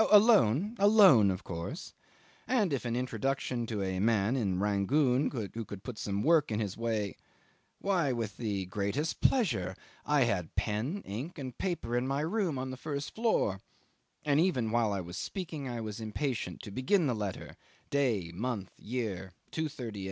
Oh! a loan; a loan of course and if an introduction to a man (in Rangoon) who could put some work in his way ... Why! with the greatest pleasure. I had pen, ink, and paper in my room on the first floor And even while I was speaking I was impatient to begin the letter day, month, year, 2.30 A.M. ..